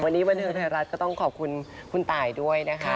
วันนี้บันเทิงไทยรัฐก็ต้องขอบคุณคุณตายด้วยนะคะ